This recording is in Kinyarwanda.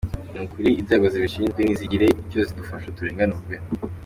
Ni ukuri inzego zibishinzwe nizigire icyo zidufasha turenganurwe”